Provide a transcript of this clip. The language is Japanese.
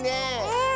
うん。